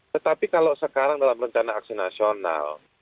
tetapi kalau sekarang dalam rencana aksi nasional